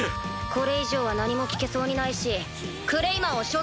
これ以上は何も聞けそうにないしクレイマンを処刑する。